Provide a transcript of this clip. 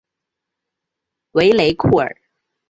维雷库尔。